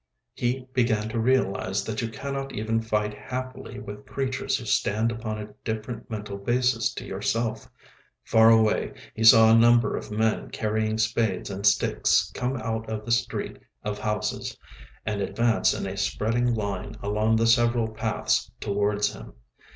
He began to realise that you cannot even fight happily with creatures who stand upon a different mental basis to yourself. Far away he saw a number of men carrying spades and sticks come out of the street of houses and advance in a spreading line along the several paths towards him.